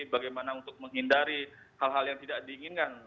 bagaimana untuk menghindari hal hal yang tidak diinginkan